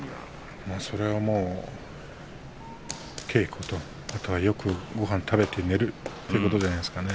それはもう稽古とあとはよくごはんを食べて寝るということじゃないですかね。